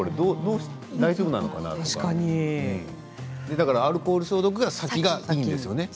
だからアルコール消毒が先がいいんですよね。